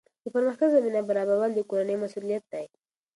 د پرمختګ زمینه برابرول د کورنۍ مسؤلیت دی.